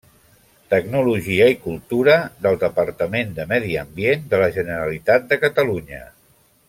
Tecnologia i cultura, del Departament de Medi Ambient de la Generalitat de Catalunya.